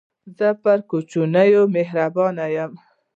زه پر کوچنيانو مهربانه يم.